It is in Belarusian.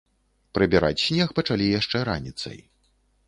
Прыбіраць снег пачалі яшчэ раніцай.